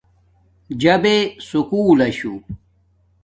جابے سکُول لشو